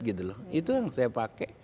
itu yang saya pakai